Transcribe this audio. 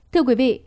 thưa quý vị